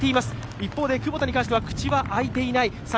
一方で久保田に対しては口が開いていない。